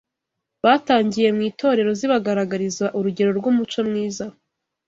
batagiye mu itorero zibagaragariza urugero rw’umuco mwiza